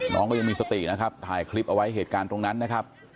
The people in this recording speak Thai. น้องก็ยังมีสตินะครับถ่ายคลิปเอาไว้เหตุการณ์ตรงนั้นนะครับ